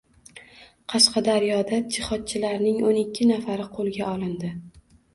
Qashqadaryoda Jihodchilarningo´n ikkinafari qo‘lga olindi